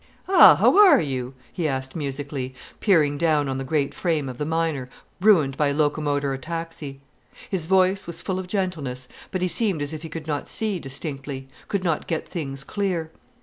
"Ah—how are you?" he asked musically, peering down on the great frame of the miner, ruined by locomotor ataxy. His voice was full of gentleness, but he seemed as if he could not see distinctly, could not get things clear.